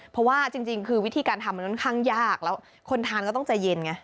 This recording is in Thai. เพราะว่าจริงคือวิธีการทำมันค่อนข้างยากแล้วคนทานก็ต้องใจเย็นไง